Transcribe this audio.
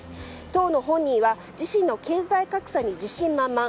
当の本人は自身の経済対策に自信満々。